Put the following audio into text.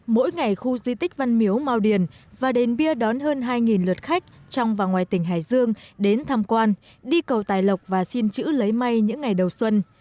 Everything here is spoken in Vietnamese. mỗi ngày khu di tích văn miếu mau điền và đền bia đón hơn hai lượt khách trong và ngoài tỉnh hải dương đến tham quan đi cầu tài lộc và xin chữ lấy may những ngày đầu xuân